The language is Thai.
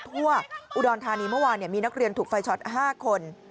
ทั่วอุดรธานีเมื่อวานมีนักเรียนถูกไฟช็อต๕คน